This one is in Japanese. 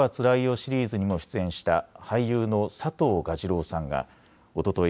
シリーズにも出演した俳優の佐藤蛾次郎さんがおととい